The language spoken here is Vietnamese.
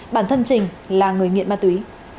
bản thân trình là người nghiện ma túy